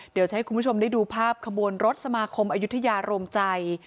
เดี๋ยวจะให้คุณผู้ชมได้ดูภาพขบวนรถสมาคมอายุทยาโรมใจ